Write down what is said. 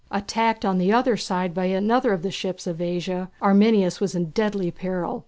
Attacked on the other side by another of the ships of Asia, Arminias was in deadly peril.